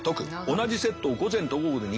同じセットを午前と午後で２回。